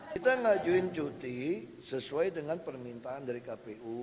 kita ngajuin cuti sesuai dengan permintaan dari kpu